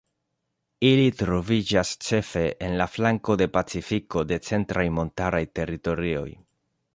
Ili troviĝas ĉefe en la flanko de Pacifiko de centraj montaraj teritorioj.